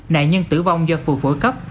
nạn nhân tử vong do phụ phổi cấp